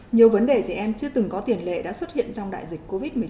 nhiều vấn đề trẻ em chưa từng có tiền lệ đã xuất hiện trong đại dịch covid một mươi chín